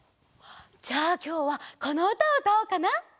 じゃあきょうはこのうたをうたおうかな。